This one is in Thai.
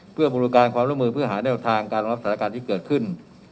เพื่อบริการความร่วมมือเพื่อหาแนวทางการรองรับสถานการณ์ที่เกิดขึ้น